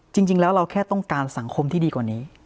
จริงแล้วเราแค่ต้องการสังคมที่ดีกว่านี้